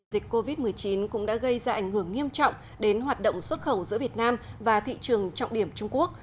dịch covid một mươi chín cũng đã gây ra ảnh hưởng nghiêm trọng đến hoạt động xuất khẩu giữa việt nam và thị trường trọng điểm trung quốc